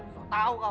susah tau kamu